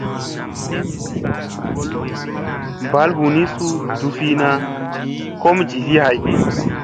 Mɓal hunii suu cufina kom jivi hay.